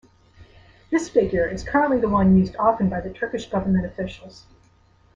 This figure is currently the one used often by the Turkish government officials.